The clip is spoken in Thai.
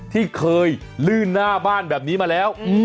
ที่เคยลื่นหน้าบ้านแบบนี้มาแล้ว